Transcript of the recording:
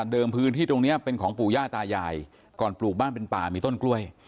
พื้นที่ตรงนี้เป็นของปู่ย่าตายายก่อนปลูกบ้านเป็นป่ามีต้นกล้วย